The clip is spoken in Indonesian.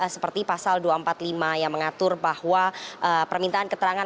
seperti pasal dua ratus empat puluh lima yang mengatur bahwa permintaan keterangan